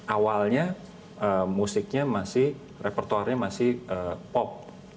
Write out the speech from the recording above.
awalnya musiknya masih repertuarnya masih pop